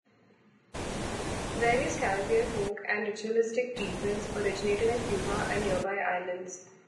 Various Caribbean folk and ritualistic treatments originated in Cuba and nearby islands.